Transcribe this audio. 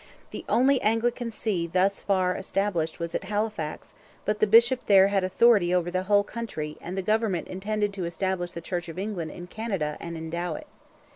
The only Anglican see thus far established was at Halifax; but the bishop there had authority over the whole country and the government intended to establish the Church of England in Canada and endow it.